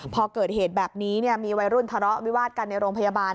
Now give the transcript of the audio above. พอเกิดเหตุแบบนี้มีวัยรุ่นทะเลาะวิวาดกันในโรงพยาบาล